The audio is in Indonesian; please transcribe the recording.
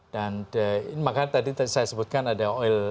dan di indonesia kita juga harus memiliki kebahan iklim